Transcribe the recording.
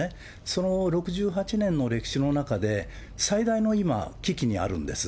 その６８年の歴史の中で、最大の今、危機にあるんです。